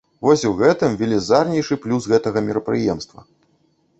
Вось у гэтым велізарнейшы плюс гэтага мерапрыемства.